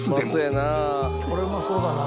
これうまそうだな。